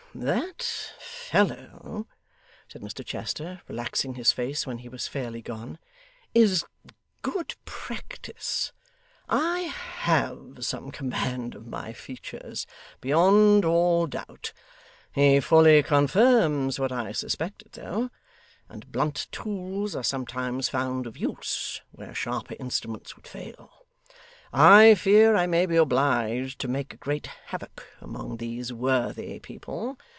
'That fellow,' said Mr Chester, relaxing his face when he was fairly gone, 'is good practice. I HAVE some command of my features, beyond all doubt. He fully confirms what I suspected, though; and blunt tools are sometimes found of use, where sharper instruments would fail. I fear I may be obliged to make great havoc among these worthy people.